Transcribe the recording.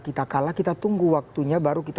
kita kalah kita tunggu waktunya baru kita